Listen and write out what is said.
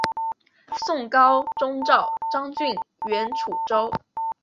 宋高宗诏张俊援楚州。